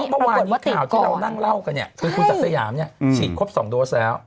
เพราะวันนี้ข่าวที่เรานั่งเล่ากันคือคุณสัตว์สยามฉีดครบ๒โดสแล้ว